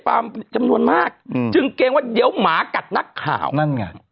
ปลาจำนวนมากอืมจึงเกล็งว่าเดี๋ยวหมากับเปิดนั่นไง